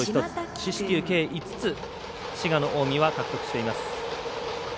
四死球、計５つ滋賀の近江は獲得しています。